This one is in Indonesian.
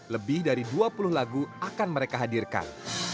lebih dari dua puluh lagu akan mereka hadirkan